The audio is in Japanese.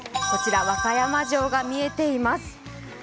こちら和歌山城が見えています。